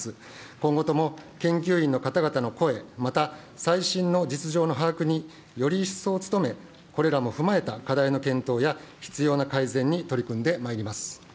今後とも研究員の方々の声、またさいしんの実情の把握により一層努め、これらも踏まえた課題の検討や必要な改善に取り組んでまいります。